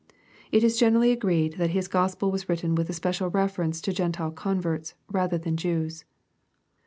It is generally agreed that his Gospel was v^ritten witli a special reference to Gentile converts, rather than Jews.